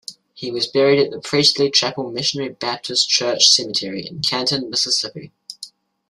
He was buried at the Priestley Chapel Missionary Baptist Church Cemetery in Canton, Mississippi.